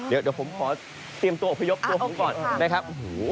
เดี๋ยวผมขอเตรียมตัวอพยพตัวผมก่อนนะครับ